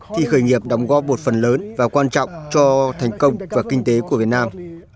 thì khởi nghiệp đóng góp một phần lớn và quan trọng cho thành công và kinh tế của việt nam